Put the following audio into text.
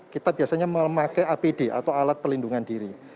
kita biasanya memakai apd atau alat pelindungan diri